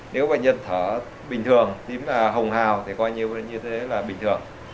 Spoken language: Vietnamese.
nếu bệnh nhân thở bình thường tím là hồng hào thì coi như thế là bình thường